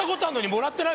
もらってない。